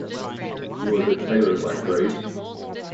He was a tailor by trade.